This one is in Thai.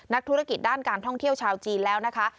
นักธุรกิจด้านการท่องเที่ยวชาวจีนแล้วนะคะ